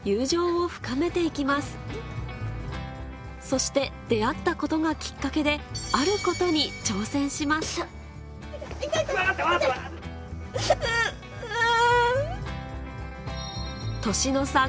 そして出会ったことがきっかけであることにとは？